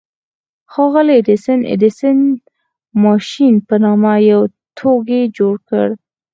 ښاغلي ايډېسن د ايډېسن ماشين په نامه يو توکی جوړ کړ.